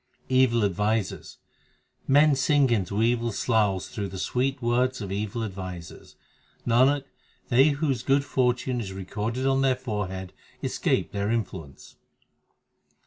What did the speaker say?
Evil advisers : Men sink into evil sloughs through the sweet words of evil advisers ; Nanak, they whose good fortune is recorded on their foreheads escape their influence.